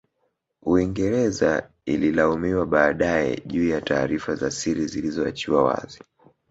Uingereza Ililaumiwa baadae juu ya taarifa za siri zilizo achiwa wazi